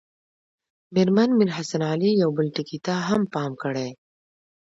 مېرمن میر حسن علي یو بل ټکي ته هم پام کړی.